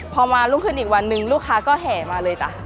พอมารุ่งขึ้นอีกวันหนึ่งลูกค้าก็แห่มาเลยจ้ะ